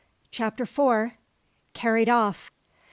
Chapter 4: Carried Off.